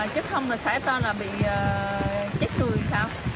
chứ không là sẽ bị chết người sao